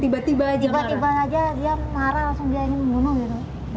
tiba tiba saja dia marah langsung dia ingin membunuh gitu